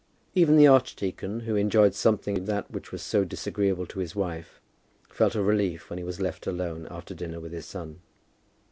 Even the archdeacon, who enjoyed something in that which was so disagreeable to his wife, felt a relief when he was left alone after dinner with his son.